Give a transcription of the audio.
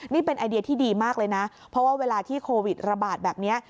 นี่เป็นไอเดียที่ดีมากเลยนะเพราะว่าเวลาที่โควิดระบาดแบบนี้